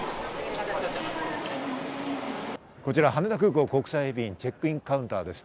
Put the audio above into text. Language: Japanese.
こちら羽田空港国際便チェックインカウンターです。